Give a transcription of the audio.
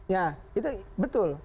ya itu betul